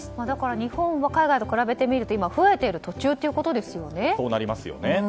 だから日本は海外と比べてみると増えている途中ということですよね。